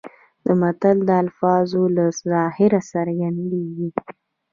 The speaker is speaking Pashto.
د متن د الفاظو له ظاهره څرګندېږي.